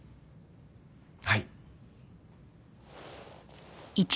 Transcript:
はい。